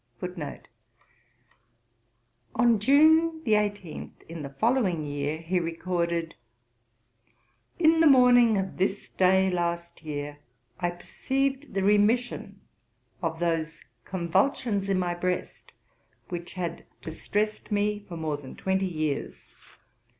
239. On June 18 in the following year he recorded: 'In the morning of this day last year I perceived the remission of those convulsions in my breast, which had distressed me for more than twenty years.